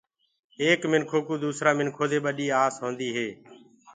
ايڪ منکو ڪُو دوسرآ منکو دي ٻڏي آس هوندي هي۔